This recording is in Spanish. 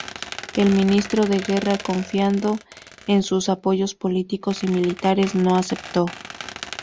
El ministro de Guerra, confiando en sus apoyos políticos y militares, no aceptó.